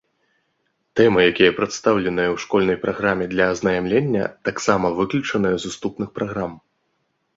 Тэмы, якія прадстаўленыя ў школьнай праграме для азнаямлення, таксама выключаныя з уступных праграм.